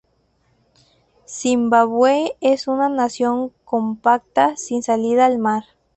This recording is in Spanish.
Zimbabue es una nación compacta sin salida al mar.